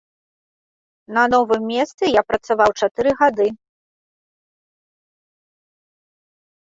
На новым месцы я працаваў чатыры гады.